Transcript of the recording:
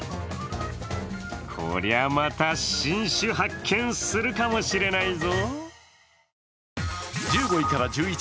こりゃまた、新種発見するかもしれないぞ！